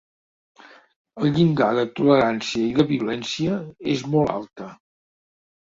El llindar de tolerància i de violència és molt alta.